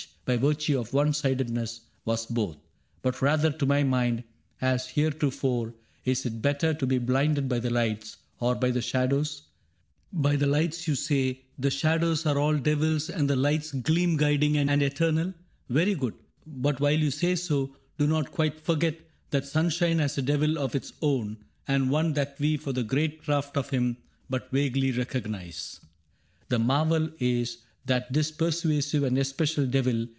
By virtue of one sidedness, was both ; But rather — to my mind, as heretofore — CAPTAIN CRAIG 27 Is it better to be blinded by the lights, ^ Or by the shadows ? By the lights, you say ? The shadows are all devils, and the lights Gleam guiding and eternal ? Very good 5 But while you say so do not quite forget That sunshine has a devil of its own, And one that we, for the great craft of him, But vaguely recognize. The marvel is That this persuasive and especial devil.